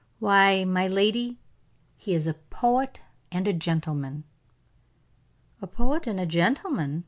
"Why, my lady, he is a poet and a gentleman." "A poet and a gentleman!"